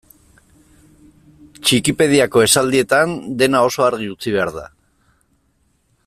Txikipediako esaldietan dena oso argi utzi behar da.